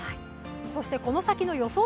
そしてこの先の予想